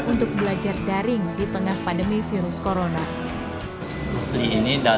untuk belajar daring di tengah pandemi virus corona